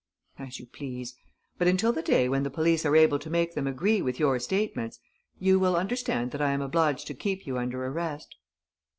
"As you please. But, until the day when the police are able to make them agree with your statements, you will understand that I am obliged to keep you under arrest."